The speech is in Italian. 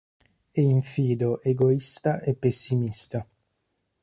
È infido, egoista e pessimista.